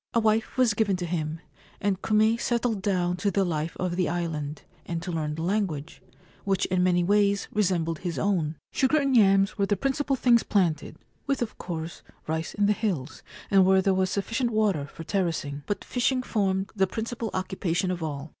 A wife was given to him, and Kume settled down to the life of the island, and to learn the language, which in many ways resembled his own. Sugar and yams were the principal things planted, — with, of course, rice in the hills and where there was sufficient water for terracing, — but fishing formed the principal occupation of all.